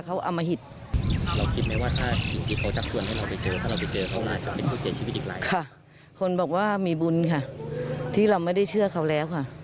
ค่ะคนบอกว่ามีบุญค่ะที่เราไม่ได้เชื่อเขาแล้วค่ะ